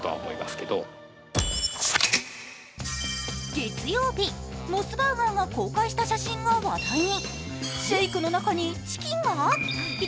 月曜日、モスバーガーが公開した写真が話題に。